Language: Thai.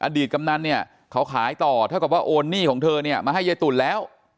กำนันเนี่ยเขาขายต่อเท่ากับว่าโอนหนี้ของเธอเนี่ยมาให้ยายตุ๋นแล้ว